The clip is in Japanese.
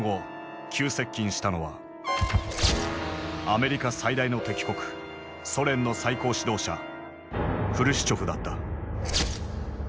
アメリカ最大の敵国ソ連の最高指導者フルシチョフだった。